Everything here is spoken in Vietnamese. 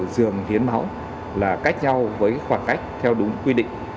giường hiến máu là cách nhau với khoảng cách theo đúng quy định